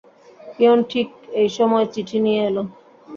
Peon ঠিক এই সময় চিঠি নিয়ে এল।